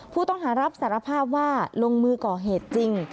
ผู้ต้องหารับสารภาพว่าลงมือก่อเหตุจริง